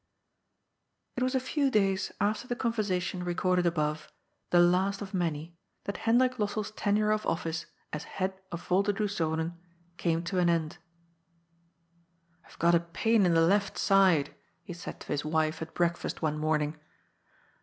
It was a few days after the conversation recorded above, the last of many, that Hendrik Lossell's tenure of ofSce as head of ^ Yolderdoes Zonen " came to an end. *' I have got a pain in the left side," he said to his wife at breakfast one morning.